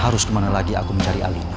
harus kemana lagi aku mencari ali